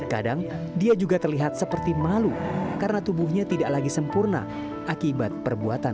kadang dia juga terlihat seperti malu karena tubuhnya tidak lagi sempurna akibat perbuatan